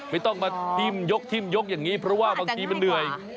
ไม่ต้องมาทิ้มยกทิ่มยกอย่างนี้เพราะว่าบางทีมันเหนื่อย